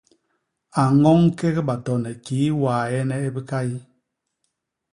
A ñoñ kék batone kii waene i bikay.